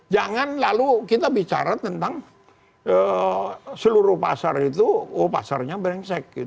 jangan lalu kita bicara tentang seluruh pasar itu oh pasarnya brengsek